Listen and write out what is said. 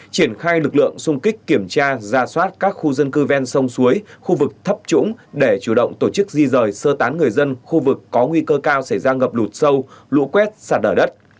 triển khai lực lượng xung kích kiểm tra ra soát các khu dân cư ven sông suối khu vực thấp trũng để chủ động tổ chức di rời sơ tán người dân khu vực có nguy cơ cao xảy ra ngập lụt sâu lũ quét sạt lở đất